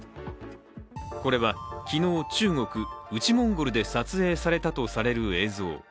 これは昨日中国内モンゴルで撮影されたとされる映像。